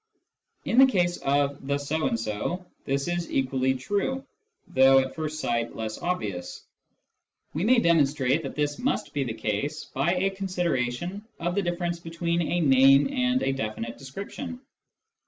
In the case of " the so and so " this is equally true, though at first sight less obvious. We may demonstrate that this must be the case, by a 'consideration of the difference between a name and a definite description.